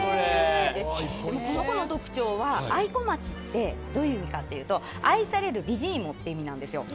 この子の特徴はあいこまちってどういう意味かというと愛される美人芋という意味なんです。